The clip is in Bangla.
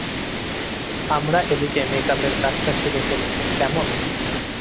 আমরা এদিকে মেকআপের কাজটা সেরে ফেলি, কেমন?